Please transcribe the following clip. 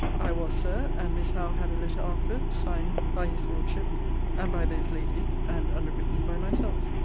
I was, Sir: and Miss Howe had a letter afterwards, signed by his Lordship and by those Ladies, and underwritten by myself.